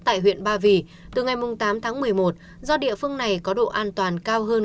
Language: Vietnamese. tại huyện ba vì từ ngày tám tháng một mươi một do địa phương này có độ an toàn cao hơn